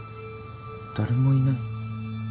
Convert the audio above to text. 誰もいない。